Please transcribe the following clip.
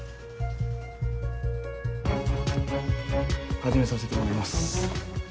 始めさせてもらいます。